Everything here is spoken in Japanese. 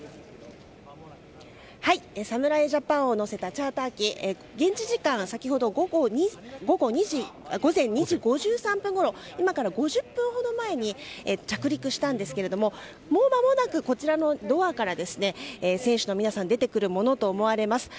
侍ジャパンを乗せたチャーター機現地時間先ほど午前２時５３分ごろ今から５０分ほど前に着陸したんですけれどももうまもなく、こちらのドアから選手の皆さんが出てくるものと思われます。